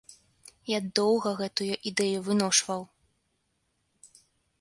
Я доўга гэтую ідэю выношваў.